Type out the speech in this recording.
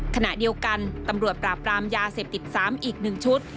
ขณะเดียวกันตำรวจปราบรามยาเสพติด๓อีก๑ชุด